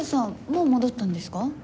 もう戻ったんですか？